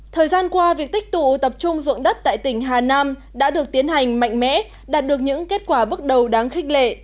thời gian qua việc tích tụ tập trung dụng đất tại tỉnh hà nam đã được tiến hành mạnh mẽ đạt được những kết quả bước đầu đáng khích lệ